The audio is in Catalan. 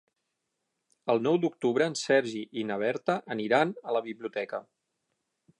El nou d'octubre en Sergi i na Berta aniran a la biblioteca.